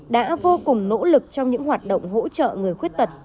đã vô cùng nỗ lực trong những hoạt động hỗ trợ người khuyết tật